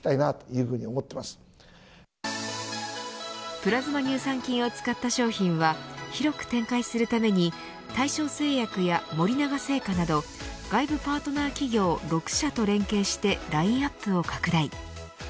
プラズマ乳酸菌を使った商品は広く展開するために大正製薬や森永製菓など外部パートナー企業６社と連携してラインアップを拡大。